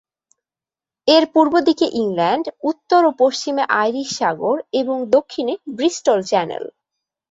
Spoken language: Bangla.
এর পূর্ব দিকে ইংল্যান্ড; উত্তর ও পশ্চিমে আইরিশ সাগর এবং দক্ষিণে ব্রিস্টল চ্যানেল।